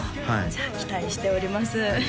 じゃあ期待しております